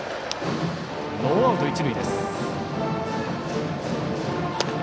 ノーアウト、一塁です。